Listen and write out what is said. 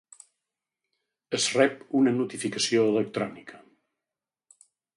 Es rep una notificació electrònica.